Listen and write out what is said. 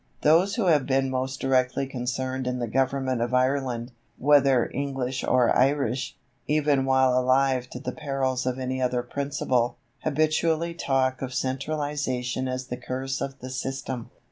Those who have been most directly concerned in the government of Ireland, whether English or Irish, even while alive to the perils of any other principle, habitually talk of centralization as the curse of the system.